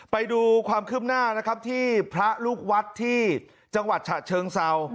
ไปดูความขึ้มหน้าที่พระลูกวัดที่จังหวัดฉะเชิงเซา